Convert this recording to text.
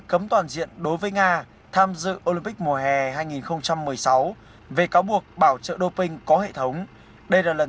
chiến đấu với nga tham dự olympic mùa hè hai nghìn một mươi sáu về cáo buộc bảo trợ doping có hệ thống đây là lần